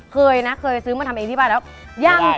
เคยนะเคยซื้อมาทำเองที่บ้านแล้วยัง